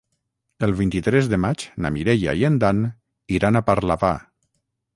El vint-i-tres de maig na Mireia i en Dan iran a Parlavà.